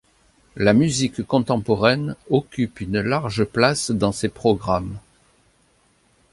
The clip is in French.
La musique contemporaine occupe une large place dans ses programmes.